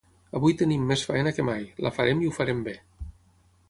Avui tenim més feina que mai, la farem i ho farem bé.